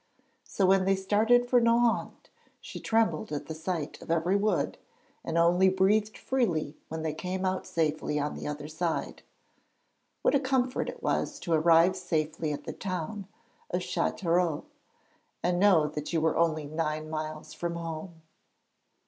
So when they started for Nohant she trembled at the sight of every wood, and only breathed freely when they came out safely on the other side. What a comfort it was to arrive safely at the town of Châteauroux, and know that you were only nine miles from home!